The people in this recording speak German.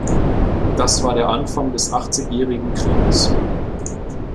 Das war der Anfang des Achtzigjährigen Krieges.